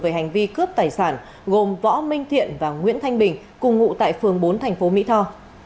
về hành vi cướp tài sản gồm võ minh thiện và nguyễn thanh bình cùng ngụ tại phường bốn thành phố mỹ tho